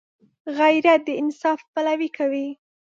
غیرت د انصاف پلوي کوي